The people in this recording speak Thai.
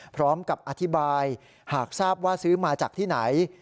พร้อมกับอธิบายหากทราบว่าซื้อมาจากที่ไหน